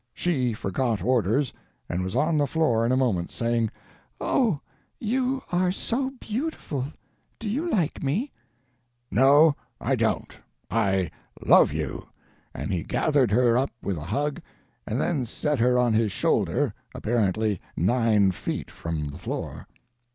She forgot orders, and was on the floor in a moment, saying: "Oh, you are so beautiful! Do you like me?" "No, I don't, I love you!" and he gathered her up with a hug, and then set her on his shoulder—apparently nine feet from the floor.